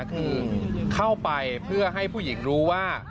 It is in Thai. คือเข้าไปเพื่อให้ผู้หญิงรู้ว่า